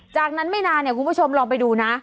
จากนั้นไม่นานเนี่ยคุณผู้ชมลองไปดูนะ